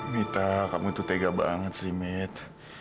mita kamu itu tega banget sih mit